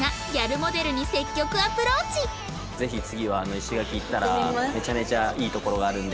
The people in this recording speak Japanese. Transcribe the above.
ぜひ次は石垣行ったらめちゃめちゃいい所があるんで。